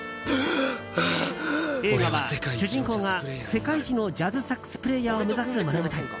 映画は、主人公が世界一のジャズサックスプレーヤーを目指す物語。